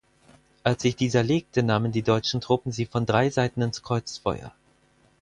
Als sich dieser legte, nahmen die deutschen Truppen sie von drei Seiten ins Kreuzfeuer.